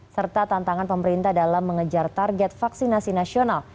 serta tantangan pemerintah dalam mengejar target vaksinasi nasional